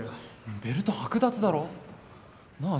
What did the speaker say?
ベルト剥奪だろ？なあ潤？